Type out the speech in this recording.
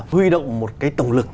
huy động một cái tổng lực